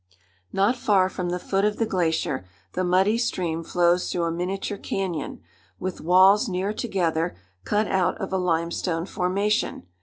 Not far from the foot of the glacier the muddy stream flows through a miniature canyon, with walls near together, cut out of a limestone formation.